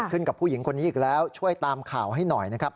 กับผู้หญิงคนนี้อีกแล้วช่วยตามข่าวให้หน่อยนะครับ